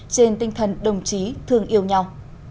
trên tinh thần đồng chí thương yêu nhau